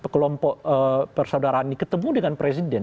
kelompok persaudaraan ini ketemu dengan presiden